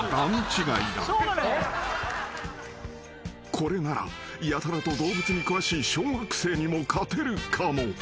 ［これならやたらと動物に詳しい小学生にも勝てるかも］